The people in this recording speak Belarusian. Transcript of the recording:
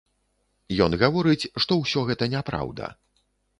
Ён гаворыць, што ўсё гэта няпраўда.